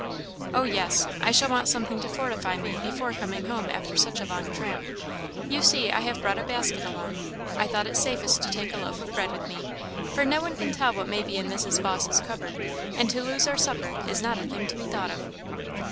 "Oh, yes; I shall want something to fortify me before coming home after such a long tramp. You see I have brought a basket along. I thought it safest to take a loaf of bread with me, for no one can tell what may be in Mrs. Vawse's cupboard, and to lose our supper is not a thing to be thought of."